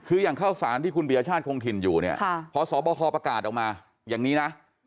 คือย่างข้าวศาลที่คุณบีชลาชาทคงถิ่น